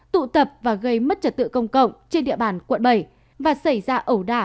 tụ tập và gây mất trật tự công cộng trên địa bàn quận bảy và xảy ra ẩu đả